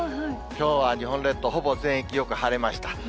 きょうは日本列島、ほぼ全域よく晴れました。